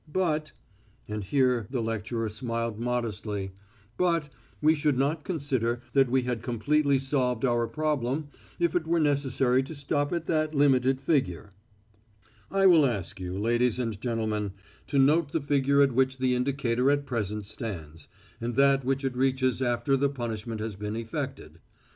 But" and here the lecturer smiled modestly "but we should not consider that we had completely solved our problem if it were necessary to stop at that limited figure. Five copecks silver the smallest silver coin in Russia. "I will ask you, ladies and gentlemen, to note the figure at which the indicator at present stands, and that which it reaches after the punishment has been effected.